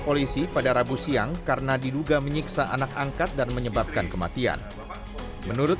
polisi pada rabu siang karena diduga menyiksa anak angkat dan menyebabkan kematian menurut